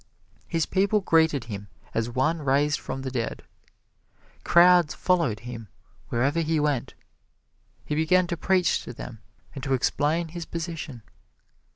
His people greeted him as one raised from the dead. Crowds followed him wherever he went. He began to preach to them and to explain his position.